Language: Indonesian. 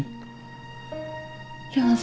jangan sampai atuh pak